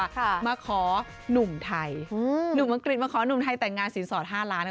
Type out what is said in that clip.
ค่ะมาขอหนุ่มไทยอืมหนุ่มอังกฤษมาขอหนุ่มไทยแต่งงานสินสอดห้าล้าน